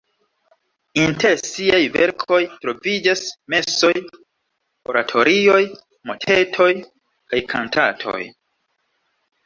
Inter siaj verkoj troviĝas mesoj, oratorioj, motetoj kaj kantatoj.